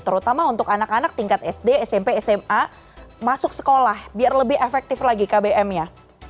terutama untuk anak anak tingkat sd smp sma masuk sekolah biar lebih efektif lagi kbm nya